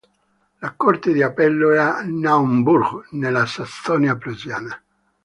La corte di appello è a Naumburg nella Sassonia prussiana.